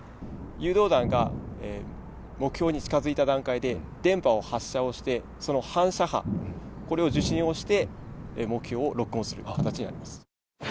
誘導弾が目標に近づいた段階で電波を発射をして、その反射波、これを受信をして、目標をロックオンする形になります。